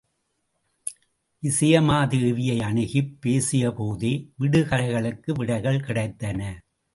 விசயமாதேவியை அணுகிப் பேசிய போதே விடுகதைகளுக்கு விடைகள் கிடைத்தன.